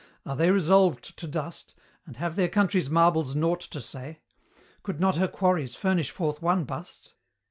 Are they resolved to dust, And have their country's marbles nought to say? Could not her quarries furnish forth one bust?